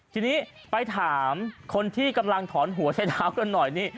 ทีนี้ไปถามคนที่กำลังถอนหัวใช้เท้ากันหน่อยนี่